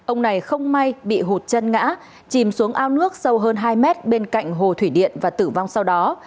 ông này không may bị hụt chân ngã chìm xuống ao nước sâu hơn hai mét bên cạnh hồ thủy điện và tử vong sau đó